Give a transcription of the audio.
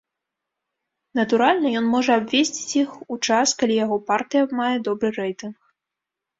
Натуральна, ён можа абвесіць іх у час, калі яго партыя мае добры рэйтынг.